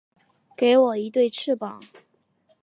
给我一对翅膀